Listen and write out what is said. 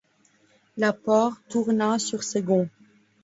La porte tourna sur ses gonds.